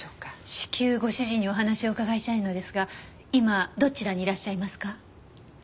至急ご主人にお話をお伺いしたいのですが今どちらにいらっしゃいますか？